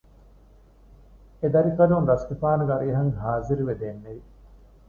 އެދަރިކަލުން ރަސްގެފާނުގެ އަރިހަށް ޚާޒިރުވެ ދެންނެވި